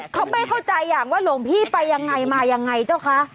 เขาไม่เข้าใจอย่างว่าหลวงพี่ไปยังไงมายังไงเจ้าคะ